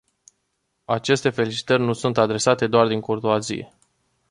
Aceste felicitări nu sunt adresate doar din curtoazie.